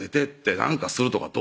何かするとかどう？」